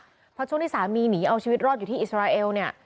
เพราะช่วงที่สามีหนีเอาชีวิตรอดอยู่ที่อิสราเอลเนี่ย